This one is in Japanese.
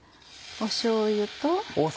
しょうゆと。